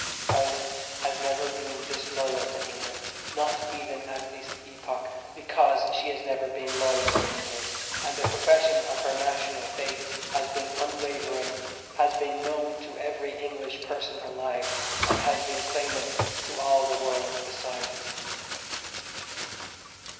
Ireland has never been disloyal to England, not even at this epoch, because she has never been loyal to England, and the profession of her National faith has been unwavering, has been known to every English person alive, and has been clamant to all the world beside.